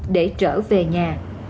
để trở về nhà